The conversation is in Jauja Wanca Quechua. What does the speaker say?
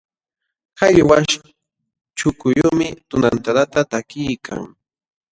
Qallwaśh chukuyuqmi tunantadata takiykan.